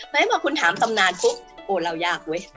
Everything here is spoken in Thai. ไหมพอคุณถามตำนานปุ๊บโอ้เรายากเว้ย